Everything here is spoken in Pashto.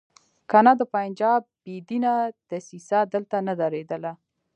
کنه د پنجاب بې دینه دسیسه دلته نه درېدله.